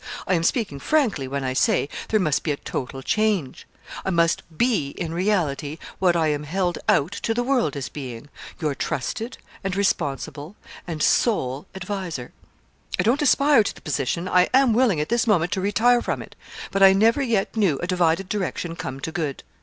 I am speaking frankly when I say there must be a total change. I must be in reality what I am held out to the world as being your trusted, and responsible, and sole adviser. I don't aspire to the position I am willing at this moment to retire from it; but I never yet knew a divided direction come to good.